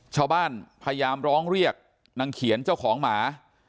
พยายามร้องเรียกนางเขียนเจ้าของหมา